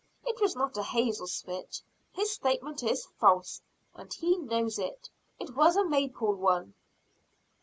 It was not a hazel switch, his statement is false, and he knows it, it was a maple one."